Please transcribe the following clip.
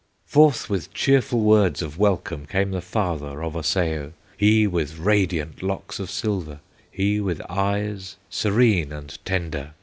"Forth with cheerful words of welcome Came the father of Osseo, He with radiant locks of silver, He with eyes serene and tender.